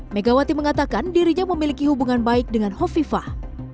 megawati mengatakan dirinya memiliki hubungan baik dengan hovifah